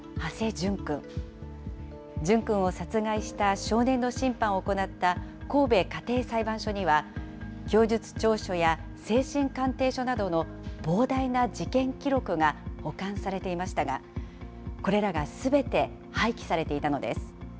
淳君を殺害した少年の審判を行った、神戸家庭裁判所には、供述調書や精神鑑定書などの膨大な事件記録が保管されていましたが、これらがすべて廃棄されていたのです。